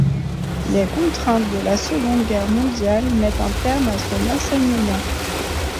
Les contraintes de la Seconde Guerre mondiale mettent un terme à son enseignement.